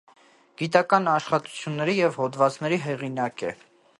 Գիտական աշխատությունների և հոդվածների հեղինակ է։